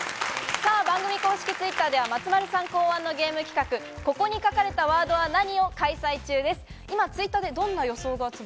さぁ、番組公式Ｔｗｉｔｔｅｒでは松丸さん考案のゲーム企画、「ここに書かれたワードは何？」を開催中です。